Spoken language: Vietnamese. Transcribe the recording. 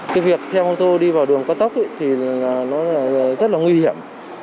cái việc theo mô tô đi vào đường cao tốc thì nó rất là nguy hiểm